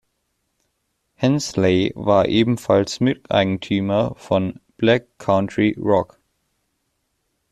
Hensley war ebenfalls Miteigentümer von Black Country Rock.